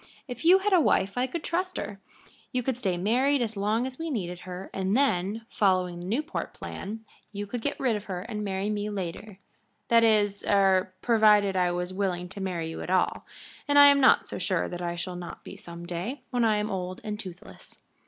If you had a wife I could trust her. You could stay married as long as we needed her, and then, following the Newport plan, you could get rid of her and marry me later that is er provided I was willing to marry you at all, and I am not so sure that I shall not be some day, when I am old and toothless."